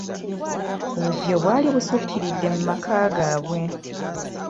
Obuvuyo bwali busukkiridde mu maka gaabwe.